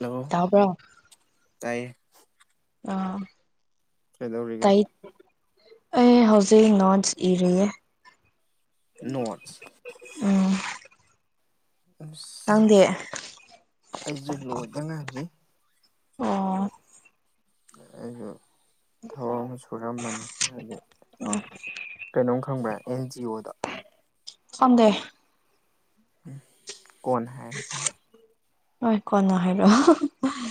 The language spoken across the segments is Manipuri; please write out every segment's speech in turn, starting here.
ꯍꯜꯂꯣ ꯇꯥꯕ꯭ꯔꯣ ꯇꯥꯏꯌꯦ ꯑꯥ ꯀꯩꯗꯧꯔꯤꯒꯦ ꯑꯩ ꯍꯧꯖꯤꯛ ꯅꯣꯆ ꯏꯔꯤꯌꯦ ꯅꯣꯠꯁ ꯎꯝ ꯅꯪꯗꯤ ꯑꯩꯁꯨ ꯂꯣꯏꯗ ꯉꯥꯏꯁꯤ ꯑꯣ ꯑꯩꯁꯨ ꯊꯕꯛ ꯑꯃ ꯁꯨꯔꯝꯕꯅꯤ ꯍꯥꯏꯗꯤ ꯍꯂꯣ ꯀꯩꯅꯣꯝ ꯈꯪꯕ꯭ꯔꯥ ꯑꯦꯟ ꯖꯤ ꯑꯣꯗꯣ [unintelligible] ꯀꯣꯟ ꯍꯥꯏꯔꯒꯦ ꯍꯣꯏ ꯀꯣꯟꯅ ꯍꯥꯏꯔꯛꯑꯣ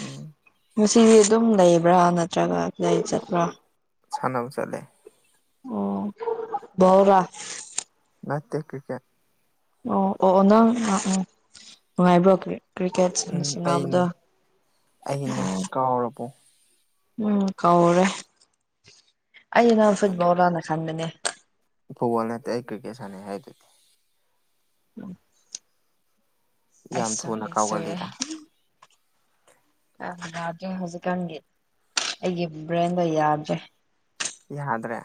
ꯎꯝ ꯉꯁꯤꯗꯤ ꯑꯗꯨꯝ ꯂꯩꯕ꯭ꯔꯥ ꯅꯠꯇ꯭ꯔꯒ ꯀꯗꯥꯏ ꯆꯠꯄ꯭ꯔꯥ ꯁꯥꯟꯅꯕ ꯆꯠꯂꯦ ꯑꯣ [unintelligible] ꯅꯠꯇꯦ ꯀ꯭ꯔꯤꯀꯦꯠ ꯑꯣ ꯑꯣ ꯑꯣ ꯅꯪ ꯎꯝ ꯅꯨꯡꯉꯥꯏꯕ꯭ꯔꯣ ꯀ꯭ꯔꯤꯀꯦꯠꯁ ꯎꯝ ꯑꯩꯅꯦ ꯁꯟꯅꯕꯗꯣ ꯑꯩꯅꯦ ꯎꯝ ꯀꯥꯎꯔꯕꯣ ꯎꯝ ꯀꯧꯔꯦ ꯑꯩꯅ ꯐꯨꯠꯕꯣꯜ ꯂꯥꯅ ꯈꯟꯕꯅꯦ ꯐꯨꯠꯕꯣꯜ ꯅꯠꯇꯦ ꯑꯩ ꯀ꯭ꯔꯤꯀꯦꯠ ꯁꯥꯟꯅꯩ ꯍꯥꯏꯗꯨꯗꯤ ꯎꯝ ꯌꯥꯝ ꯊꯨꯅ ꯁꯣꯏꯔꯦ ꯁꯣꯏꯔꯦ ꯀꯥꯎꯒꯜꯂꯤꯗ ꯑ ꯌꯥꯗ꯭ꯦ ꯍꯧꯖꯤꯛꯀꯥꯟꯒꯤ ꯑꯩꯒꯤ ꯕ꯭ꯔꯦꯟꯗꯣ ꯌꯥꯗ꯭ꯔꯦ ꯌꯥꯗ꯭ꯔꯦ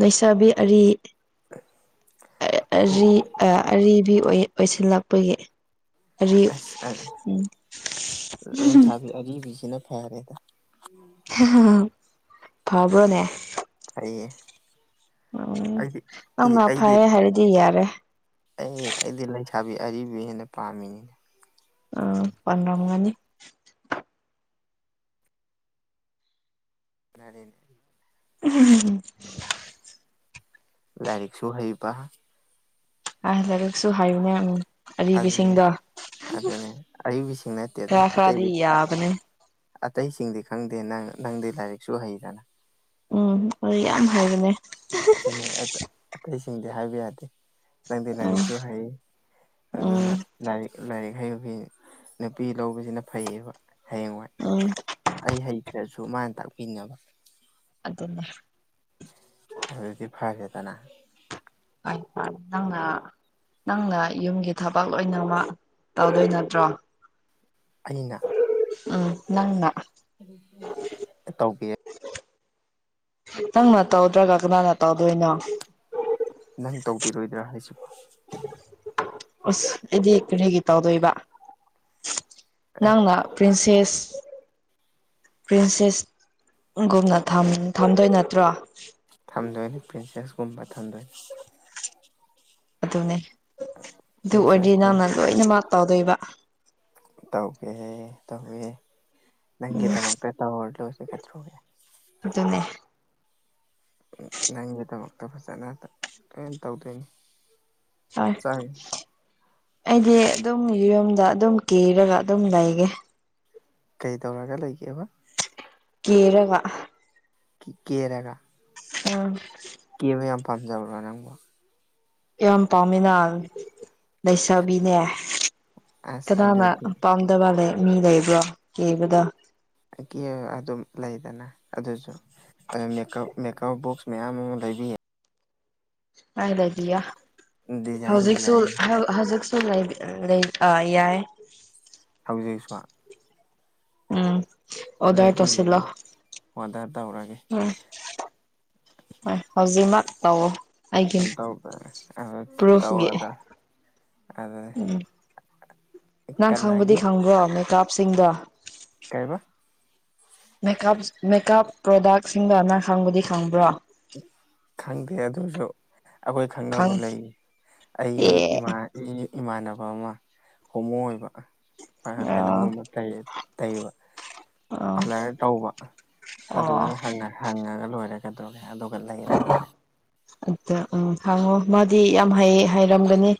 ꯂꯩꯁꯥꯕꯤ ꯑꯔꯤ ꯑꯔꯤ ꯑꯔꯤꯕꯤ ꯑꯣꯏꯁꯤꯜꯂꯛꯄꯒꯤ ꯑꯔꯤ ꯑꯁ ꯂꯩꯁꯥꯕꯤ ꯑꯔꯤꯕꯁꯤꯅ ꯐꯔꯦꯗ ꯐꯔꯕꯔꯅꯦꯦ ꯑꯩꯌꯦ ꯎꯝ ꯅꯪꯅ ꯐꯩꯌꯦ ꯍꯥꯏꯔꯗꯤ ꯌꯥꯔꯦ ꯑꯩ ꯑꯩꯗꯤ ꯂꯩꯁꯥꯕꯤ ꯑꯔꯤꯕ ꯍꯦꯟꯅ ꯄꯥꯝꯃꯤꯅꯤꯅꯦ ꯄꯟꯔꯝꯒꯅꯤ ꯑꯅꯤꯅꯦ ꯎꯝ ꯂꯥꯏꯔꯤꯛꯁꯨ ꯍꯩꯕ ꯑ ꯂꯥꯏꯔꯤꯛꯁꯨ ꯍꯥꯏꯌꯅꯦ ꯑꯗꯨꯅꯦ ꯑꯔꯤꯕꯁꯤꯡꯗꯣ ꯑꯗꯨꯅꯦ ꯑꯩ ꯁꯤꯅꯠꯇ ꯑꯗ ꯈꯔ ꯈꯔꯗꯤ ꯑꯇꯩꯗꯤ ꯌꯥꯕꯅꯦ ꯑꯇꯩꯁꯤꯡꯗꯤ ꯈꯪꯗꯦ ꯅꯪ ꯅꯪꯗꯤ ꯂꯥꯏꯔꯤꯛꯁꯨ ꯍꯩꯗꯅ ꯎꯝ ꯑꯗꯨ ꯌꯥꯝ ꯍꯥꯏꯕꯅꯦ ꯑꯇꯩꯁꯤꯡꯗꯤ ꯍꯥꯏꯕ ꯌꯥꯗꯦ ꯅꯪꯗꯤ ꯎꯝ ꯂꯥꯏꯔꯤꯛꯁꯨ ꯍꯩ ꯑꯗꯨꯅ ꯎꯝ ꯂꯥꯏꯔꯤꯛ ꯂꯥꯏꯔꯤꯛ ꯍꯩꯕꯩ ꯅꯨꯄꯤ ꯂꯧꯕꯁꯤꯅ ꯐꯩꯌꯦꯕ ꯍꯌꯦꯡꯋꯥꯏ [unintelligible] ꯑꯩ ꯍꯩꯇ꯭ꯔꯁꯨ ꯃꯥꯅ ꯇꯥꯛꯄꯤꯅꯕ ꯑꯗꯨꯗꯅꯦ ꯑꯗꯨꯗꯤ ꯐꯔꯦꯗꯅ ꯍꯥꯏ ꯐꯉ ꯅꯪꯅ ꯌꯨꯝꯒꯤ ꯊꯕꯛ ꯂꯣꯏꯅꯃꯛ ꯇꯧꯗꯣꯏ ꯅꯠꯇ꯭ꯔꯣ ꯑꯅꯤꯅ ꯎꯝ ꯅꯪꯅ ꯇ ꯇꯧꯒ ꯅꯪꯅ ꯇꯧꯗ꯭ꯔꯥꯒ ꯀꯅꯥꯅ ꯇꯧꯗꯣꯏꯅꯣ ꯅꯪ ꯇꯧꯕꯤꯔꯣꯏꯗ꯭ꯔꯥ ꯍꯥꯏꯁꯤꯕꯣ ꯑꯁ ꯑꯩꯗꯤ ꯀꯔꯤꯒꯤ ꯇꯧꯗꯣꯏꯕ ꯑꯦ ꯅꯪꯅ ꯄ꯭ꯔꯤꯟꯁꯦꯁ ꯄ꯭ꯔꯤꯟꯁꯦꯁ ꯒꯨꯝꯅ ꯊꯝꯗꯣꯏ ꯅꯠꯇ꯭ꯔꯣ ꯊꯝꯗꯣꯏꯅꯤ ꯄ꯭ꯔꯤꯟꯁꯦꯁ ꯀꯨꯝꯕ ꯊꯝꯗꯣꯏꯅꯤ ꯑꯗꯨꯅꯦ ꯑꯗꯨ ꯑꯣꯏꯔꯗꯤ ꯄ꯭ꯔꯤꯟꯁꯦꯁ ꯅꯪꯅ ꯂꯣꯏꯅ ꯃꯥꯥꯛ ꯇꯧꯗꯣꯏꯕ ꯇꯧꯒꯦ ꯇꯧꯋꯦ ꯅꯪꯒꯤꯗꯃꯛꯇ ꯇꯧꯔ ꯂꯣꯏꯔꯦ ꯀꯗꯧꯔꯒꯦ ꯑꯗꯨꯅꯦ ꯅꯪꯒꯤꯗꯃꯛꯇ ꯐꯖꯅ ꯂꯣꯏ ꯇꯧꯗꯣꯏꯅꯤ ꯆꯥꯔꯤ [unintelligible] ꯑꯩꯗꯤ ꯑꯗꯨꯝ ꯌꯨꯝꯗ ꯑꯗꯨꯝ ꯀꯦꯔꯒ ꯑꯗꯨꯝ ꯂꯩꯒꯦ꯫ ꯀꯩ ꯇꯧꯔꯒ ꯂꯩꯒꯦꯕ ꯀꯦꯔꯒ ꯀꯦ ꯔꯦꯒꯒꯥ ꯑꯝ ꯀꯦꯕ ꯌꯥꯝ ꯄꯥꯝꯖꯕ꯭ꯔꯥ ꯅꯪꯕꯣ ꯌꯥꯝ ꯄꯥꯝꯃꯤꯅ ꯂꯩꯁꯥꯕꯤꯅꯦ ꯑꯁ ꯀꯅꯥꯅ ꯑꯗꯨꯗꯤ ꯄꯝ ꯗꯕꯥ ꯂꯩ ꯃꯤ ꯂꯩꯕ꯭ꯔꯣ ꯌꯦꯕꯗ ꯀ [unintelligible] ꯑꯗꯨꯝ ꯂꯩꯗꯅ ꯑꯗꯨꯁꯨ ꯃꯦꯀꯞ ꯃꯦꯀꯞ ꯕꯣꯛꯁ ꯃꯌꯥꯝ ꯑꯃ ꯂꯩꯕꯤ ꯍꯥꯏ ꯂꯩꯕꯤꯌꯣ ꯗꯤꯖꯥꯏꯟ ꯍꯧꯖꯤꯛꯁꯨ ꯗꯤꯖꯥꯏꯟ ꯍꯧꯖꯤꯛꯁꯨ ꯌꯥꯏ ꯍꯧꯖꯤꯛꯁꯨ ꯎꯝ ꯑꯣꯗꯔ ꯂꯩꯕꯤꯒꯦ ꯇꯧꯁꯤꯂꯣ ꯑꯣꯗꯔ ꯇꯧꯔꯒꯦ ꯎꯝ ꯍꯣꯏ ꯍꯧꯖꯤꯛꯃꯛ ꯇꯧꯑꯣ ꯑꯩꯒꯤ ꯄ꯭ꯔꯨꯐꯒꯤ ꯑꯗꯨꯅꯦ ꯎꯝ ꯅꯪ ꯈꯪꯕꯗꯤ ꯈꯪꯕ꯭ꯔꯣ ꯃꯦꯀꯞꯁꯤꯡꯗꯣ ꯀꯩꯑꯕ ꯃꯦꯀꯞ ꯃꯦꯀꯞ ꯄ꯭ꯔꯣꯗꯛꯁꯤꯡꯗꯣ ꯅꯪ ꯈꯪꯕꯨꯗꯤ ꯈꯪꯕ꯭ꯔꯣ ꯈꯪꯗꯦ ꯑꯗꯨꯁꯨ ꯑꯩꯈꯣꯏ ꯈꯪꯅꯕ ꯈꯪ ꯂꯩ ꯑꯩꯒꯤ ꯏꯃꯥ ꯑꯩꯒꯤ ꯏꯃꯥꯟꯅꯕ ꯑꯃ ꯍꯣꯃꯣ ꯑꯣꯏꯕ ꯑꯣ ꯀꯩꯅꯣꯒꯨꯝꯕ ꯀꯩ ꯇꯩꯕ ꯑꯣ ꯄꯥꯂꯔ ꯇꯧꯕ ꯑꯣ ꯑꯗꯨꯗ ꯍꯪꯉꯒ ꯂꯣꯏꯔꯒꯗꯧꯔꯦ ꯑꯗꯨꯒ ꯂꯩꯔ ꯂꯣꯏꯔꯦ ꯑꯗ ꯎꯝ ꯍꯥꯡꯉꯣ ꯃꯥꯗꯤ ꯌꯥꯝ ꯍꯥꯏꯔꯝꯒꯅꯤ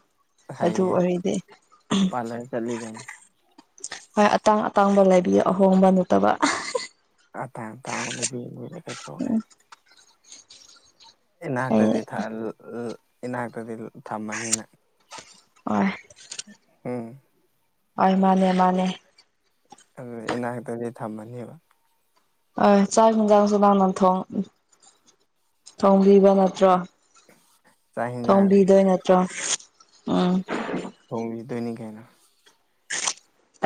ꯑꯗꯨ ꯍꯩꯌꯦ ꯑꯣꯏꯔꯗꯤ ꯄꯥꯔꯂꯔ ꯆꯠꯂꯤ ꯀꯩꯅꯣ ꯍꯣꯏ ꯑꯇꯥꯡ ꯑꯇꯥꯡꯕ ꯂꯩꯕꯤ ꯑꯍꯣꯡꯕ ꯂꯩꯇꯕ ꯑꯥ ꯇꯥꯡ ꯇꯥꯡꯕ ꯂꯩ ꯂꯩ ꯈꯗ꯭ꯔꯣꯒꯦ ꯑꯩ ꯏꯅꯥꯛꯇꯗꯤ ꯊꯜ ꯏꯅꯥꯛꯇꯗꯤ ꯊꯝꯃꯅꯤ ꯅꯪ ꯍꯣꯢ ꯎꯝ ꯍꯣꯏ ꯃꯥꯅꯦ ꯃꯥꯅꯦ ꯑꯗꯨ ꯏꯅꯥꯛꯇꯗꯤ ꯊꯝꯃꯅꯦꯕ ꯑ ꯆꯥꯛ ꯍꯤꯟꯖꯥꯡꯁꯨ ꯅꯪꯅ ꯊꯣꯡ ꯊꯣꯡꯕꯤꯕ ꯅꯠꯇ꯭ꯔꯣ ꯆꯥꯛ ꯌꯦꯟꯁꯥꯡ ꯊꯣꯡꯕꯤꯗꯣꯏ ꯅꯠꯇ꯭ꯔꯣ ꯎꯝ ꯊꯣꯡꯕꯤꯗꯣꯏꯅꯤ ꯀꯩꯅꯣ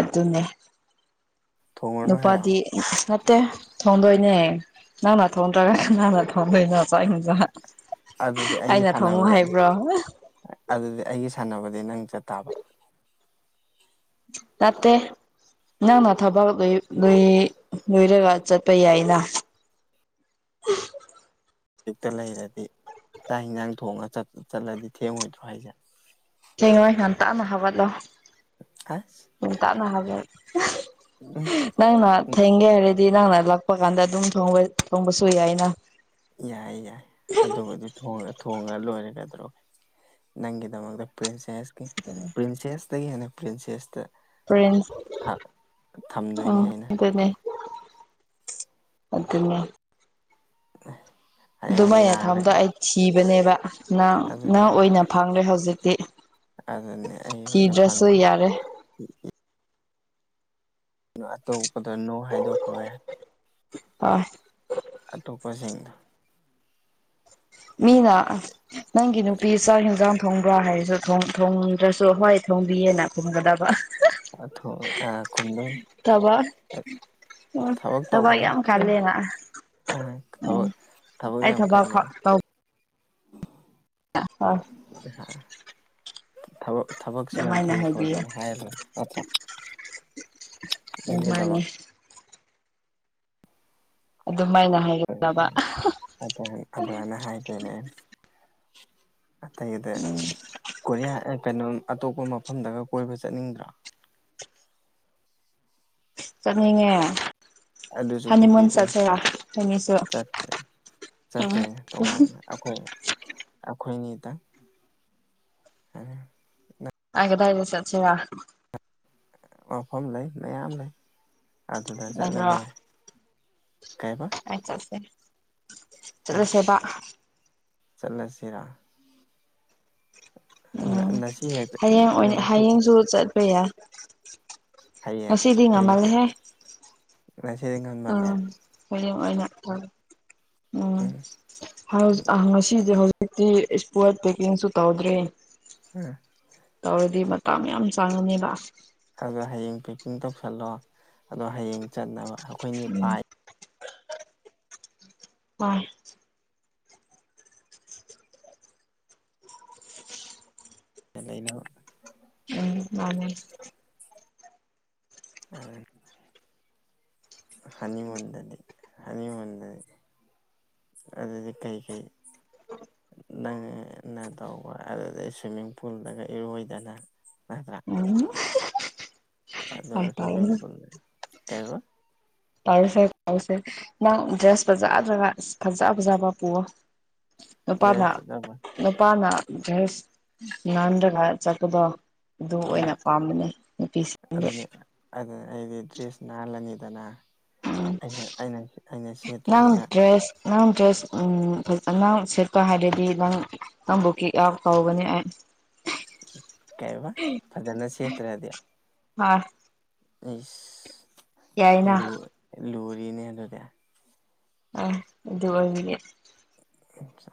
ꯑꯗꯨꯅꯦ ꯊꯣꯡꯉꯨꯔꯅꯨ ꯍꯥꯏꯔꯛꯑꯣ ꯅꯨꯄꯥꯗꯤ ꯅꯠꯇꯦ ꯊꯣꯡꯗꯣꯏꯅꯦ ꯅꯪꯅ ꯊꯣꯡꯗ꯭ꯔꯒ ꯀꯅꯥꯅ ꯊꯣꯡꯗꯣꯏꯅꯣ? ꯆꯥꯛ ꯏꯟꯖꯥꯡ ꯑꯗꯨꯗꯤ ꯑꯩꯒꯤ ꯑꯩꯅ ꯊꯣꯡꯉꯨ ꯁꯥꯟꯅꯕꯗ ꯍꯥꯏꯕ꯭ꯔꯣ? ꯑꯗꯨꯗꯤ ꯑꯩꯒꯤ ꯁꯥꯟꯅꯕꯗꯤ ꯅꯪ ꯆꯠ ꯇꯥꯕ ꯅꯠꯇꯦ ꯅꯪꯅ ꯊꯕꯛ ꯂꯩ ꯂꯨꯏ ꯂꯣꯏꯔꯒ ꯆꯠꯄ ꯌꯥꯏꯅ ꯕꯤꯇ ꯂꯩꯔꯗꯤ ꯆꯥꯛ ꯍꯤꯟꯖꯥꯡ ꯊꯣꯡꯑꯒ ꯆꯠ- ꯆꯠꯂꯗꯤ ꯊꯦꯡꯉꯣꯏꯗ꯭ꯔꯣ ꯍꯥꯏꯁꯦ? ꯊꯦꯡꯉꯣꯢ ꯉꯟꯇꯥꯅ ꯍꯧꯒꯠꯂꯣ ꯑꯁ ꯉꯥꯟꯇꯥꯅ ꯍꯧꯒꯠ ꯎꯝ ꯅꯪꯅ ꯊꯦꯡꯒꯦ ꯍꯥꯏꯔꯗꯤ ꯅꯪꯅ ꯂꯥꯛꯄ ꯀꯥꯟꯗ ꯑꯗꯨꯝ ꯊꯣꯡ ꯊꯣꯡꯕꯁꯨ ꯌꯥꯏꯅ ꯌꯥꯏ - ꯌꯥꯏ ꯑꯗꯨꯕꯨꯗꯤ ꯊꯣꯉ ꯂꯣꯏꯔꯦ ꯀꯗꯧꯔꯒꯦ ꯅꯪꯒꯤꯗꯃꯛꯇ ꯄ꯭ꯔꯤꯟꯁꯦꯁ ꯀꯤ ꯄ꯭ꯔꯤꯟꯁ ꯁꯦꯁꯇꯒꯤ ꯍꯦꯟꯅ ꯄ꯭ꯔꯤꯟꯁꯦꯁꯇ ꯄ꯭ꯔꯤꯟꯁ ꯊꯝꯗꯣꯏꯅꯤ ꯑꯥ ꯑꯩꯅ ꯑꯗꯨꯅꯦ ꯑꯗꯨꯅꯦ [unintelligible] ꯑꯗꯨꯃꯥꯏꯅ ꯊꯝꯕꯗꯣ ꯅꯥꯔꯒ ꯑꯩ ꯊꯤꯕꯅꯦꯕ ꯅꯪ ꯑꯗꯨꯅꯦ ꯅꯪ ꯑꯣꯏꯅ ꯐꯪꯂꯦ ꯍꯧꯖꯤꯛꯇꯤ ꯑꯗꯨꯅꯦ ꯑꯩ ꯑꯣꯏꯅ ꯊꯤꯗ꯭ꯔꯁꯨ ꯐꯪꯉꯕ ꯌꯥꯔꯦ ꯑꯇꯣꯞꯄꯗꯣ ꯅꯣ ꯍꯥꯏꯗꯣꯛꯈ꯭ꯔꯣ ꯌꯥꯔꯦ ꯑꯥ ꯑꯇꯣꯞꯄꯁꯤꯡꯗꯨ ꯃꯤꯅ ꯅꯪꯒꯤ ꯅꯨꯄꯤ ꯆꯥꯛ ꯍꯟꯖꯥꯡ ꯊꯣꯡꯕ꯭ꯔꯥ ꯍꯥꯏꯔꯁꯨ ꯊꯣꯡꯗ꯭ꯔꯁꯨ ꯍꯣꯏ ꯊꯣꯡꯕꯤꯌꯦꯅ ꯈꯨꯝꯒꯗꯕ ꯑꯊꯣ ꯑ ꯈꯨꯝꯗꯣꯏ ꯊꯕꯛ ꯎꯝ ꯊꯕꯛ ꯌꯥꯝ ꯀꯂꯦꯅ ꯎꯝ ꯊꯕꯛ ꯑꯩ ꯌꯥꯝ ꯊꯕꯛ ꯐꯥ ꯀꯜꯂꯦ ꯇꯧ꯫ [unintelligible] [unintelligible] ꯊꯕꯛꯁꯨ ꯌꯥꯝ ꯑꯗꯨꯃꯥꯏꯅ ꯐꯩ ꯍꯥꯏꯕꯤꯌꯨ ꯈꯣꯠꯂꯦꯅ ꯍꯥꯏꯔꯣꯏ ꯅꯠꯇ꯭ꯔ ꯎꯝ ꯃꯥꯅꯦ꯫ ꯑꯗꯨꯃꯥꯏꯅ ꯍꯥꯏꯔꯛꯇꯕ ꯑꯗꯥꯏ ꯑꯗꯨꯃꯥꯏꯅ ꯍꯥꯏꯗꯣꯏꯅꯦ꯫ ꯑꯇꯩꯗ ꯀꯣꯔꯤꯌꯥ ꯅꯠꯇꯕ ꯑꯇꯣꯞꯄ ꯃꯐꯝꯗꯒ ꯀꯣꯏꯕ ꯆꯠꯅꯤꯡꯗ꯭ꯔꯣ ꯆꯠꯅꯤꯡꯉꯦ ꯑꯗꯨꯁꯨ ꯍꯅꯤꯃꯨꯟ ꯄꯨꯕꯤꯗꯣꯏꯅꯤ ꯆꯠꯁꯔꯥ ꯈꯣꯏꯅꯤꯁꯨ ꯆꯠꯇꯣꯏꯅꯦ ꯇꯣꯉꯥꯟꯅ [unintelligible] ꯑꯩꯈꯣꯏ ꯑꯩꯈꯣꯏꯅꯤꯇꯪ ꯑ ꯀꯗꯥꯏ ꯀꯗꯥꯏꯗ ꯆꯠꯁꯤꯔꯥ ꯃꯐꯝ ꯂꯩ ꯃꯌꯥꯝ ꯂꯩ ꯑꯗꯨꯗ ꯂꯩꯕ꯭ꯔꯣ ꯆꯠꯂꯂꯣꯏꯔꯦ ꯀꯩꯕ ꯑꯩ ꯆꯠꯁꯦ ꯆꯁꯦ ꯆꯠꯂꯁꯦꯕ ꯆꯠꯂꯁꯤꯔꯥ ꯎꯝ ꯍꯌꯦꯡ ꯑꯣꯏꯅ ꯉꯁꯤ ꯍꯌꯦꯡꯁꯨ ꯆꯠꯄ ꯌꯥꯏ꯫ ꯍꯌꯦꯡ ꯉꯁꯤꯗꯤ ꯍꯌꯦꯡꯁꯦ ꯉꯃꯜꯂꯦꯍꯦ꯫ ꯉꯁꯤꯗꯤ ꯉꯟ ꯑ ꯍꯌꯦꯡ ꯑꯣꯏꯅ ꯑ ꯎꯝ ꯍꯧ ꯉꯁꯤꯗꯤ ꯍꯧꯖꯤꯛꯇꯤ ꯁꯄꯣꯠ ꯄꯦꯀꯤꯡꯁꯨ ꯇꯧꯗ꯭ꯔꯤ [unintelligible] ꯇꯧꯔꯗꯤ ꯃꯇꯥꯡ ꯌꯥꯝ ꯆꯪꯉꯅꯤꯕ ꯫ ꯑꯗꯣ ꯍꯌꯦꯡ ꯄꯦꯛꯄꯤꯡ ꯇꯧꯁꯜꯂꯣ ꯑꯗꯣ ꯍꯌꯦꯡ ꯆꯠꯅꯕ ꯑꯩꯈꯣꯏꯅꯤ ꯎꯝ ꯄꯥꯏ [unintelligible] [unintelligible] ꯎꯝ ꯃꯥꯅꯦ [unintelligible] ꯍꯅꯤꯃꯨꯟꯗꯗꯤ ꯍꯅꯤ ꯃꯨꯟꯗꯗꯤ꯫ ꯑꯗꯨꯗꯤ ꯀꯩ ꯀꯩ꯫ ꯅꯪꯅ ꯇꯧꯕ ꯑꯗꯨꯗꯩ ꯁ꯭ꯋꯤꯃꯤꯡ ꯄꯨꯜꯗꯒ ꯏꯔꯣꯏꯗꯅ ꯅꯠꯇ꯭ꯔꯥ ꯎꯝ [unintelligible] ꯑꯗꯨ ꯍꯣꯏ ꯇꯥꯔꯦ [unintelligible] ꯀꯩꯕ ꯇꯧꯔꯁꯦ ꯇꯥꯎꯁꯦ ꯅꯪ ꯗ꯭ꯔꯦꯁ ꯐꯖꯗ꯭ꯔꯒ ꯏꯁ ꯐꯖ ꯐꯖꯕ ꯄꯨꯑꯣ꯫ ꯅꯨꯄꯥꯅ ꯗ꯭ꯔꯦꯁ ꯐꯖꯕ ꯅꯨꯄꯥꯅ ꯗ꯭ꯔꯦꯁ ꯅꯥꯟꯔꯒ ꯆꯠꯄꯗꯣ ꯑꯗꯨ ꯎꯝ ꯑꯣꯏꯅ ꯄꯥꯝꯕꯅꯦ ꯅꯨꯄꯤꯁꯤꯡ ꯑꯗꯨꯅꯤ [unintelligible] ꯑꯗꯨꯅ ꯑꯩꯗꯤ ꯗ꯭ꯔꯦꯁ ꯅꯥꯜꯂꯅꯤꯗꯅ ꯑꯩꯅ ꯑꯩꯅ ꯑꯩꯅ ꯅꯪ ꯁꯦꯠꯇꯣꯏꯁꯤꯅ꯫ ꯗ꯭ꯔꯦꯁ ꯅꯪ ꯗ꯭ꯔꯦꯁ ꯎꯝ ꯐꯖ ꯅꯪ ꯁꯦꯠꯄ ꯍꯥꯏꯔꯗꯤ ꯅꯪ ꯅꯪꯕꯨ ꯀꯤꯛ ꯑꯥꯎꯠ ꯇꯧꯒꯅꯤ ꯑꯩ ꯀꯩꯕ ꯐꯖꯅ ꯁꯦꯠꯇ꯭ꯔꯗꯤ ꯍꯥ ꯏꯁ ꯌꯥꯏꯅ ꯂꯨ ꯂꯨꯔꯤꯅꯦ ꯑꯗꯨꯗꯤ ꯑ ꯑꯗꯨ ꯑꯣꯏꯕꯒꯤ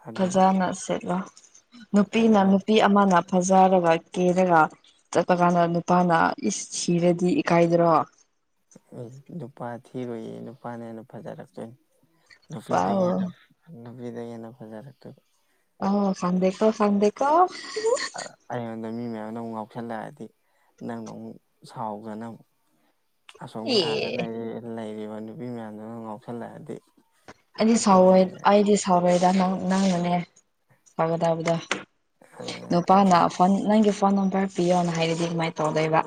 ꯑꯗꯨꯗꯤ ꯐꯖꯅ ꯁꯦꯠꯂꯣ ꯅꯨꯄꯤꯅ ꯐꯖꯅ ꯅꯨꯄꯤ ꯑꯃꯅ ꯐꯖꯔꯒ ꯀꯦꯔꯒ ꯆꯠꯄ ꯀꯥꯟꯗ ꯅꯨꯄꯥꯅ ꯏꯁ ꯁꯤꯔꯗꯤ ꯏꯀꯥꯏꯗꯔꯣ ꯑꯩ ꯅꯨꯄꯥ ꯊꯤꯕꯌꯦ ꯅꯨꯄꯥꯅ ꯍꯦꯟꯅ ꯐꯖꯔꯛꯇꯣꯏꯅꯦ ꯅꯨꯄꯤꯗꯒꯤ ꯋꯥꯎ ꯍꯦꯟꯅ꯫ ꯅꯨꯄꯤꯗꯒꯤ ꯍꯦꯟꯅ ꯐꯖꯔꯛꯇꯣꯏꯕ ꯑꯣ ꯈꯪꯗꯦꯀꯣ ꯈꯪꯗꯦꯀꯣ ꯑꯩꯉꯣꯟꯗ ꯃꯤ ꯃꯌꯥꯝꯅ ꯑꯃꯨꯛ ꯉꯥꯎꯁꯜꯂꯛꯑꯗꯤ ꯅꯪꯅ ꯑꯃꯨꯛ ꯁꯥꯎꯗꯅ ꯑꯃꯨꯛ꯫ ꯑꯁꯣꯝꯒꯤ ꯑꯦ ꯑꯥꯗ ꯂꯩꯔꯤꯕ ꯅꯨꯄꯤ ꯃꯌꯥꯝꯗꯨꯅ ꯉꯥꯎꯁꯜꯂꯛꯑꯗꯤ ꯑꯩꯗꯤ ꯂꯣꯏꯔꯦ ꯁꯥꯎꯔꯣꯏ- ꯑꯩꯗꯤ ꯁꯥꯎꯔꯣꯗ ꯅꯪ ꯅꯥꯅꯦ ꯁꯥꯎꯒꯗꯕꯗꯤ꯫ ꯑꯗꯨ ꯅꯨꯄꯥꯅ ꯐꯣꯟ ꯅꯪꯒꯤ ꯐꯣꯟ ꯅꯝꯕꯔ ꯄꯤꯌꯣꯅ ꯍꯥꯏꯔꯗꯤ ꯀꯃꯥꯏꯅ ꯇꯧꯗꯣꯏꯕ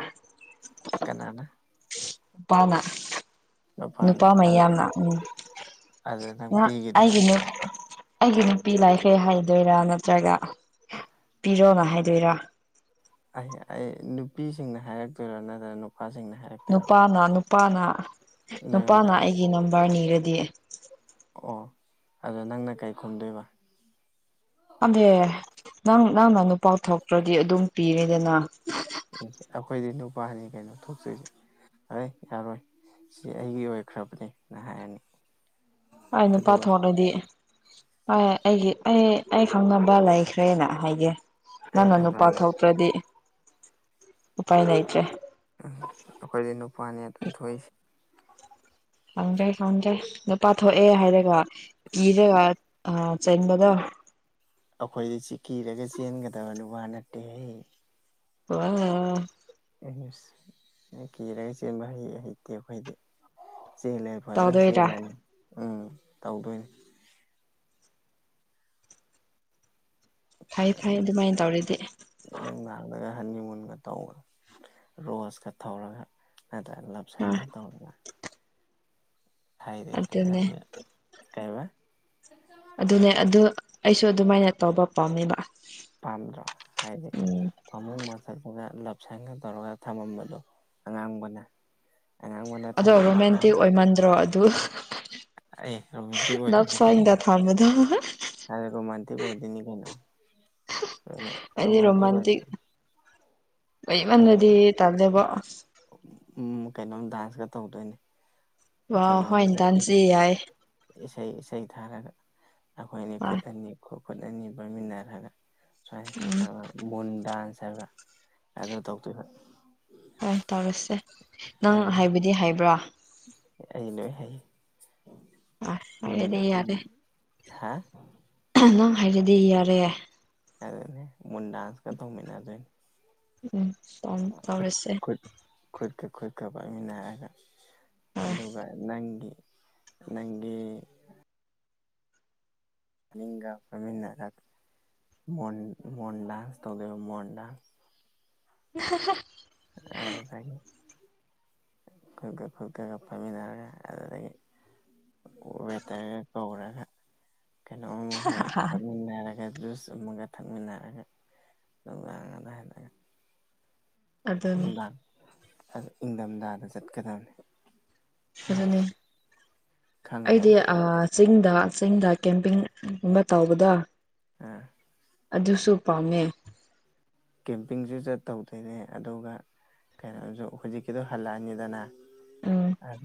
ꯀꯦꯅꯥꯗꯥ ꯄꯅꯥ ꯅꯨꯄꯥꯅ ꯅꯨꯄꯥ ꯃꯌꯥꯝꯅ ꯎꯝ ꯑꯗꯨ ꯅꯪ ꯄꯤꯈꯤꯗꯣꯏꯔꯥ ꯑꯩꯒꯤꯅꯨ ꯑꯩꯒꯤ ꯅꯨꯄꯤ ꯂꯥꯏꯈꯔꯦ ꯍꯥꯏꯗꯣꯏꯔꯥ ꯅꯠꯇ꯭ꯔꯒ ꯄꯤꯔꯣꯅ ꯍꯥꯏꯗꯣꯏꯔꯥ? ꯑꯩ ꯑꯩ ꯅꯨꯄꯤꯁꯤꯡꯅ ꯍꯥꯏꯔꯛꯇꯣꯏꯔꯣ ꯅꯠꯇ꯭ꯔꯒ ꯅꯨꯄꯥꯁꯤꯡꯅ ꯍꯥꯏꯔ ꯅꯨꯄꯥꯅ ꯅꯨꯄꯥꯅ ꯅꯉꯣꯟꯗ ꯅꯨꯄꯥꯅ ꯑꯩꯒꯤ ꯅꯝꯕꯔ ꯅꯤꯔꯗꯤ ꯑꯣ ꯑꯗꯣ ꯅꯪꯅ ꯀꯩ ꯈꯨꯝꯗꯣꯏꯕ ꯑꯕꯦ ꯅꯪ- ꯅꯪꯅ ꯅꯨꯄꯥ ꯊꯣꯛꯇ꯭ꯔꯗꯤ ꯑꯗꯨꯝ ꯄꯤꯔꯤꯗꯅ꯫ ꯎ! ꯑꯩꯈꯣꯏꯗꯤ ꯅꯨꯄꯥꯅꯤ ꯀꯩꯅꯣ ꯊꯣꯛꯇꯣꯏꯁꯦ꯫ ꯑꯩꯏ ꯌꯥꯔꯣꯏ ꯁꯤ ꯑꯩꯒꯤ ꯑꯣꯏꯈ꯭ꯔꯕꯅꯦꯅ ꯍꯥꯏꯔꯅꯤ꯫ ꯑꯅ ꯑꯗꯨꯒ ꯄꯠꯇꯣꯦꯗꯤ ꯍꯣꯏ ꯑꯩꯒꯤ ꯑꯩ ꯑꯩ ꯈꯪꯅꯕ ꯂꯩꯈ꯭ꯔꯦꯅ ꯍꯥꯏꯒꯦ ꯅꯪꯅ ꯅꯨꯄꯥ ꯑꯗꯨꯃꯥꯏꯅ ꯊꯣꯛ ꯅꯠꯇ꯭ꯔꯗꯤ ꯎꯄꯥꯏ ꯂꯩꯇ꯭ꯔꯦ ꯎꯝ ꯑꯩꯈꯣꯏꯗꯤ ꯅꯨꯄꯥꯅꯦ ꯑꯗꯨꯝ ꯊꯣꯛꯏꯁꯦ [unintelligible] ꯅꯨꯄꯥ ꯊꯣꯛꯑꯦ ꯍꯥꯏꯔꯒ ꯀꯤꯔꯒ ꯆꯦꯟꯕꯗꯣ ꯑꯩꯈꯣꯏꯗꯤ ꯆꯤ-ꯀꯤꯔꯒ ꯆꯦꯟꯒꯗꯕ ꯅꯨꯄꯥ ꯅꯠꯇꯦꯍꯦ ꯫ ꯑ ꯀꯤꯔꯒ ꯆꯦꯟꯕ ꯍꯩ ꯍꯩꯇꯦ ꯑꯩꯈꯣꯏꯗꯤ ꯆꯦꯜꯂꯦ ꯐꯖꯅ ꯇꯧꯗꯣꯏꯔꯥ ꯆꯦꯜꯂꯅꯤ ꯎꯝ ꯇꯧꯗꯣꯏꯅꯦ ꯐꯩ -ꯐꯩ ꯑꯗꯨꯃꯥꯏꯅ ꯇꯧꯔꯗꯤ꯫ ꯅꯨꯡꯗꯥꯡꯗꯒ ꯍꯅꯤ ꯃꯨꯟꯒ ꯇꯧꯕꯧꯕ ꯔꯣꯁꯀ ꯊꯧꯔꯒ ꯅꯠꯇ꯭ꯔꯦ ꯂꯞ ꯑ ꯁꯟꯅ ꯇꯧꯔꯒ ꯍꯥꯏꯗꯤ ꯑꯗꯨꯅꯦ ꯍꯥꯗꯦ ꯀꯩꯕ? ꯑꯗꯨꯅꯦ ꯑꯗꯨ ꯑꯩꯁꯨ ꯑꯗꯨꯃꯥꯏꯅ ꯇꯧꯕ ꯄꯥꯝꯃꯦꯕ ꯄꯟꯗ꯭ꯔꯣ ꯍꯥꯏꯗꯤ ꯎꯝ ꯐꯃꯨꯡ ꯃꯊꯠꯂꯒ ꯂꯞꯁꯟꯒ ꯇꯧꯔꯒ ꯊꯝꯃꯝꯕꯗꯣ ꯑꯉꯥꯡꯕꯅ ꯑꯉꯥꯡꯕꯅ ꯑꯗꯣ ꯊꯝꯃꯝꯃꯒ ꯔꯣꯃꯦꯟꯇꯤꯛ ꯑꯣꯏꯃꯟꯗ꯭ꯔꯣ ꯑꯗꯨ ꯑꯦ ꯔꯣꯃꯦꯟꯇꯤꯛ ꯅꯞꯁꯕꯤꯗ ꯊꯥꯡ ꯃꯗ ꯔ ꯔꯣꯃꯥꯟꯇ ꯑꯣꯏꯗꯅꯤ ꯀꯩꯅꯣꯣ ꯑꯩꯗꯤ ꯔꯣꯃꯥꯟꯇ ꯑꯣꯏꯗ ꯑꯩꯕꯅꯗꯤ ꯇꯜꯗꯦꯕꯣ ꯀꯩꯅꯣꯝ ꯗꯥꯟꯁꯀ ꯇꯧꯗꯣꯏꯅꯦ ꯋꯥ ꯍꯣꯏ ꯀꯩꯅꯣꯅꯤꯗ ꯗꯥꯟꯁꯤ ꯌꯥꯏ ꯏꯁꯩ ꯏꯁꯩ ꯊꯥꯔꯒ ꯑꯩꯈꯣꯏ ꯑꯅꯤ ꯍꯣꯏ ꯈꯨꯠ ꯑꯅꯤ ꯈꯨꯠ ꯑꯅꯤ ꯄꯣꯏꯃꯤꯟꯅꯔꯒ ꯁꯨꯃꯥꯏ ꯎꯝ ꯃꯨꯟ ꯗꯥꯟꯁ ꯍꯥꯏꯕ꯭ꯔꯥ ꯑꯗꯨ ꯇꯧꯗꯣꯏꯕ ꯍꯣꯏ ꯇꯧꯔꯁꯦ ꯅꯪ ꯑꯗꯨ ꯍꯥꯏꯕꯗꯤ ꯍꯥꯏꯕ꯭ꯔꯥ ꯑꯩ ꯅꯣꯏ ꯍꯥꯏ ꯑ ꯍꯥꯏꯔꯗꯤ ꯌꯥꯔꯦ ꯍꯥ ꯅꯪ ꯍꯥꯏꯔꯗꯤ ꯌꯥꯔꯦ ꯑꯅꯦ ꯃꯟꯗꯥꯥꯟꯁ ꯀꯗ ꯃ ꯑꯗꯨꯣꯏ ꯎꯝ ꯇꯧꯔꯁꯦ ꯈꯨꯨꯠꯀ ꯈꯨꯠꯀ ꯄꯥꯏꯃꯤꯅꯥꯔꯒ ꯍꯣꯏ ꯑꯗꯨꯒ ꯅꯪꯒꯤ ꯅꯪꯒꯤ ꯐꯃꯤꯟꯅꯔ ꯃꯣꯟ ꯗꯥꯟꯁ ꯇꯧꯗꯣꯏꯕ ꯃꯣꯟ ꯗꯥꯟꯁ [unintelligible] [unintelligible] ꯈꯨꯛꯀ ꯈꯨꯛꯀꯒ ꯄꯥꯏꯃꯤꯟꯅꯔꯒ ꯑꯗꯨꯗꯒꯤ꯫ ꯋꯦꯇꯔꯒ ꯀꯧꯔꯒ ꯀꯩꯅꯣ ꯑꯃꯒ ꯊꯛꯃꯤꯟꯅꯔꯒ ꯖꯨꯁ ꯆꯨꯝꯃꯒ ꯊꯛꯃꯤꯟꯅꯔꯒ ꯅꯨꯡꯗꯥꯡꯅ ꯍꯥꯏꯂꯒ ꯑꯗꯨꯅꯤ ꯅꯨꯡꯗꯥꯡ ꯑꯗꯨ ꯏꯪꯊꯝꯊꯥꯗ ꯆꯠꯀꯗꯕꯅꯤ ꯈꯪꯉꯕ ꯑꯗꯨꯅꯦ ꯈꯪꯉꯕ ꯑꯩꯗꯤ ꯑ ꯆꯤꯡꯗ ꯆꯤꯡꯗ ꯀꯦꯝꯄꯤꯡꯒꯨꯝꯕ ꯇꯧꯕꯗ ꯑꯥ ꯑꯗꯨꯁꯨ ꯄꯥꯝꯃꯦ ꯀꯦꯝꯄꯤꯡꯁꯨ ꯆ ꯇꯧꯗꯣꯏꯅꯦ ꯑꯗꯨꯒ ꯀꯩꯅꯣꯁꯨ ꯍꯧꯖꯤꯛꯀꯤꯗꯣ ꯍꯜꯂꯛꯑꯅꯤꯗꯅ ꯎꯝ ꯑꯗꯨ